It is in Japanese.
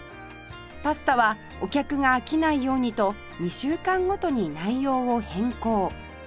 パスタはお客が飽きないようにと２週間ごとに内容を変更